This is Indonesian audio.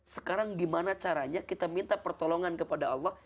sekarang gimana caranya kita minta pertolongan kepada allah